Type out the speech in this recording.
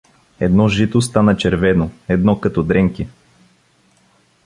Едно жито стана — червено, едно, като дренки.